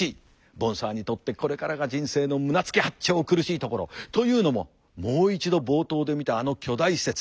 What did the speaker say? ボンサーにとってこれからが人生の胸突き八丁苦しいところ。というのももう一度冒頭で見たあの巨大施設。